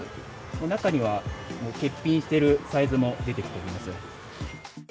中にはもう欠品しているサイズも出てきています。